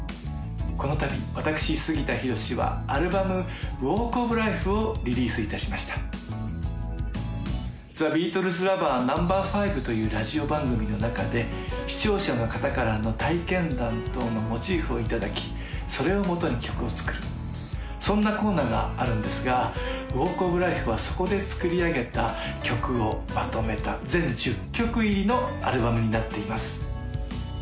このたび私杉田裕はアルバム「ＷＡＬＫｏｆＬＩＦＥ」をリリースいたしました「ＴｈｅＢｅａｔｌｅｓＬｏｖｅｒＮＯ．５」というラジオ番組の中で視聴者の方からの体験談等のモチーフをいただきそれをもとに曲を作るそんなコーナーがあるんですが「ＷＡＬＫｏｆＬＩＦＥ」はそこで作り上げた曲をまとめた全１０曲入りのアルバムになっています